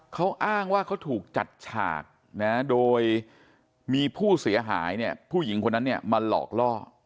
เขาอ้างว่าเขาถูกจัดฉากนะโดยมีผู้เสียหายเนี่ยผู้หญิงคนนั้นเนี่ยมาหลอกล่อ